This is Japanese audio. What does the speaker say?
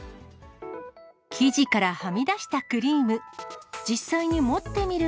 生地からはみ出したクリーム。